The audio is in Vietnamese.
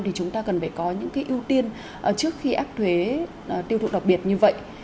thì chúng ta cần phải có những ưu tiên trước khi áp thuế tiêu thụ đặc biệt như vậy